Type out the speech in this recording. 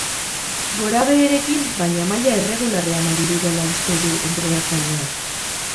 Gora-beherekin, baina maila erregularrean ari direla uste du entrenatzaileak.